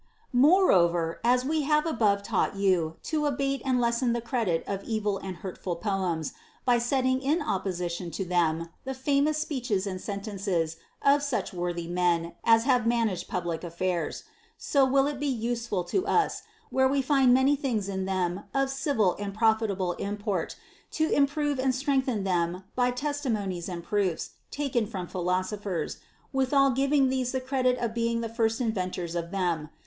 14. Moreover, as we have above tauo ht you to abate and lessen the credit of evil and hurtful poems by setting in opposition to them the famous speeches and sentences of such worthy men as have managed public affairs, so will it be useful to us, where Ave find any things in them of civil and profitable import, to improve and strengthen them by testimonies and proofs taken from philosophers, withal giv ing these the credit of being the first inventors of them.